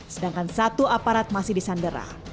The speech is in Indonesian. sedangkan satu aparat masih disandera